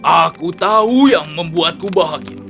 aku tahu yang membuatku bahagia